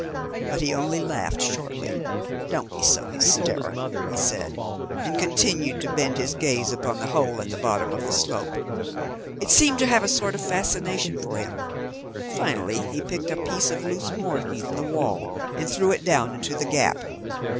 But he only laughed shortly. "Don't be so hysterical," he said, and continued to bend his gaze upon the hole at the bottom of the slope. It seemed to have a sort of fascination for him. Finally he picked a piece of loose mortar from the wall and threw it down into the gap.